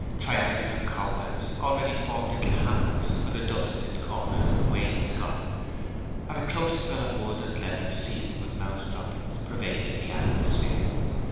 Triangular cobwebs already formed little hammocks for the dust in corners of the wainscot, and a close smell of wood and leather, seasoned with mouse droppings, pervaded the atmosphere.